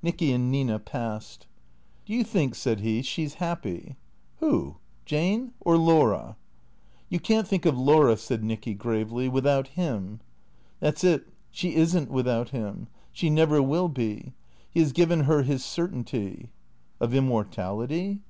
Nicky and Nina passed. " Do vou think," said he, " she 's happy ?" "\Mio? Jane? Or Laura?" " You can't think of Laura," said Nicky, gravely, " without Mm." " That 's it. She is n't without him. She never will be. Pie has given her his certainty." "Of immortality?"